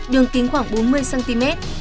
đường kính khoảng bốn mươi cm